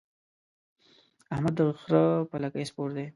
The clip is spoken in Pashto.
احمد د خره پر لکۍ سپور دی.